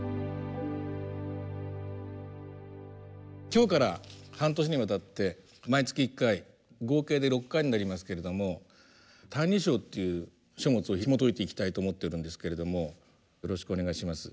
今日から半年にわたって毎月１回合計で６回になりますけれども「歎異抄」という書物をひもといていきたいと思ってるんですけれどもよろしくお願いします。